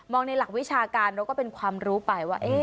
ในหลักวิชาการเราก็เป็นความรู้ไปว่า